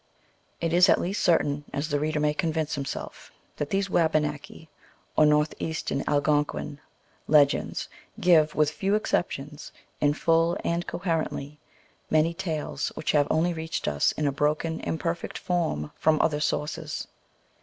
It is at least certain, as the reader may convince himself, that these Wabanaki, or North eastern Algonquin, legends give, with few exceptions, in full and coherently, many tales which have only reached us in a broken, imperfect form, from other sources.